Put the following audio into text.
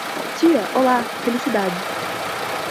Tia, olá, felicidade.